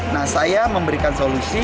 nah saya memberikan solusi